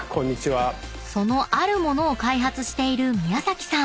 ［そのある物を開発している宮咲さん］